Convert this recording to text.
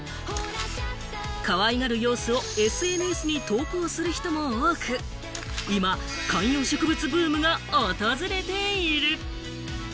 かわいがる様子をＳＮＳに投稿する人も多く、今、観葉植物ブームが訪れている。